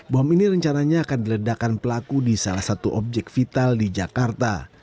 bom ini rencananya akan diledakan pelaku di salah satu objek vital di jakarta